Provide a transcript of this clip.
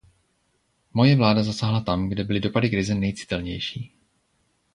Moje vláda zasáhla tam, kde byly dopady krize nejcitelnější.